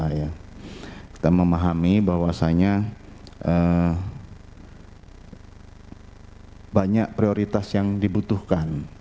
kita memahami bahwasannya banyak prioritas yang dibutuhkan